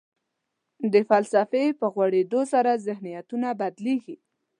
د فلسفې په غوړېدو سره ذهنیتونه بدلېږي.